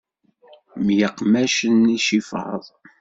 Myeqmacen icifaḍ.